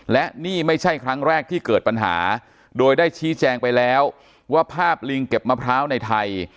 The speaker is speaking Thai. และนี่ไม่ใช่ครั้งแรกที่เกิดปัญหาโดยได้ชี้แจงไปแล้วว่าภาพลิงเก็บมะพร้าวในไทย